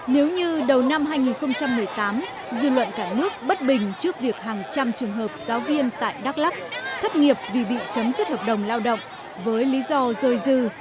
nếu như đầu năm hai nghìn một mươi tám dư luận cả nước bất bình trước việc hàng trăm trường hợp giáo viên tại đắk lắc thất nghiệp vì bị chấm dứt hợp đồng lao động với lý do dôi dư